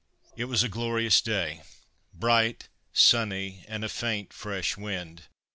It was a glorious day bright, sunny, and a faint fresh wind.